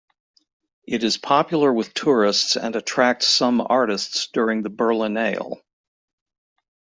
It is popular with tourists and attracts some artists during the Berlinale.